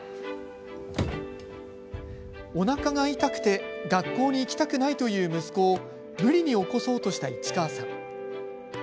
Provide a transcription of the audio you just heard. おなかが痛くて学校に行きたくないという息子を無理に起こそうとした市川さん。